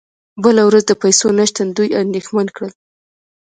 بله ورځ د پیسو نشتون دوی اندیښمن کړل